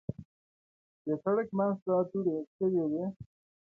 د سړک منځ ته دوړې شوې وې.